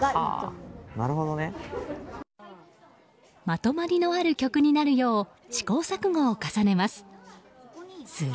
まとまりのある曲になるよう試行錯誤を重ねます。